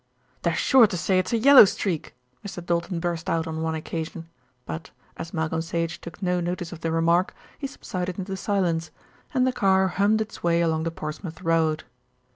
"They're sure to say it's a yellow streak," Mr. Doulton burst out on one occasion; but, as Malcolm Sage took no notice of the remark, he subsided into silence, and the car hummed its way along the Portsmouth Road.